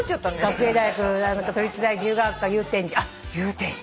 学芸大学都立大自由が丘祐天寺あっ祐天寺。